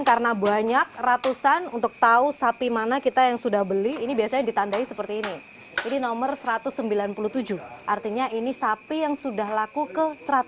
artinya ini sapi yang sudah laku ke satu ratus sembilan puluh tujuh